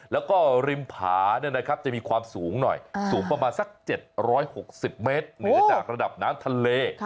แล้วก็ริมผาจะมีความสูงหน่อยสูงประมาณสัก๗๖๐เมตรเหนือจากระดับน้ำทะเล